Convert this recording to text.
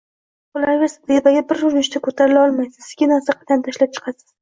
Qolaversa, tepaga bir urinishda ko‘tarila olmaysiz, sekin-asta qadam tashlab chiqasiz.